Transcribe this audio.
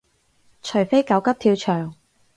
除非狗急跳墻